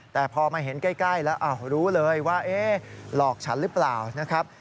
แต่พอมาเห็นใกล้แล้วรู้เลยว่าหลอกฉันหรือเปล่านะครับ